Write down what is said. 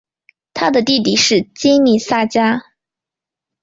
他的弟弟是金密萨加。